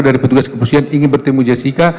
dari petugas kepolisian ingin bertemu jessica